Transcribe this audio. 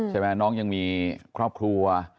ใช่ไหมน้องยังมีครอบครัว